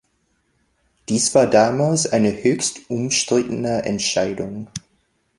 Dies war damals eine höchst umstrittene Entscheidung.